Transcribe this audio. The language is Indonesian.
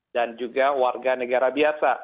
dan juga warga negara biasa